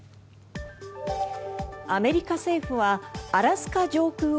アメリカ政府はアラスカ上空を